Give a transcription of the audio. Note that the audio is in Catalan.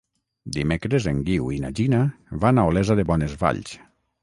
Dimecres en Guiu i na Gina van a Olesa de Bonesvalls.